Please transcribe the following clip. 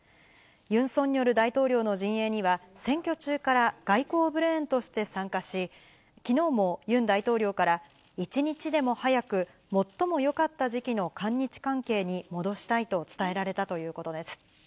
ユンソンニョル大統領の陣営には、選挙中から外交ブレーンとして参加し、きのうもユン大統領から、一日でも早く、最もよかった時期の韓日関係に戻したいと伝えられたということです。